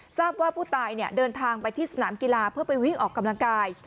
ทราบว่าผู้ตายเดินทางไปที่สนามกีฬาเพื่อไปวิ่งออกกำลังกาย